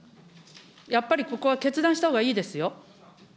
やっぱりここは決断したほうがいいですよ。